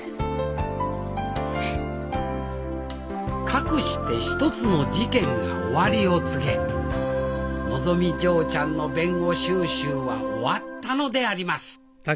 かくして一つの事件が終わりを告げのぞみ嬢ちゃんの弁護修習は終わったのであります